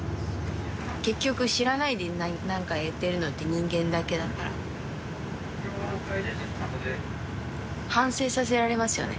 結局知らないで何か言ってるのって人間だけだから反省させられますよね